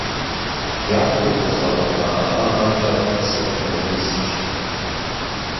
Япэу зэзгъэгъуэта ӀэщӀагъэмкӀэ сыэкономистщ.